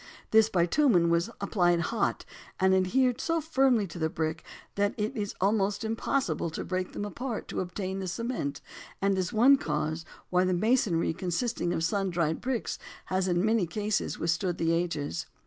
This bitumen was applied hot and adhered so firmly to the bricks that it is almost impossible to break them apart to obtain the cement and is one cause why the masonry consisting of sun dried bricks has in many cases withstood the ages.